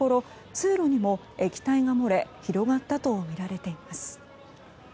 通路にも液体が漏れ広がったとみられています。